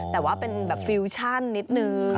แต่ว่าเป็นแบบฟิวชั่นนิดนึง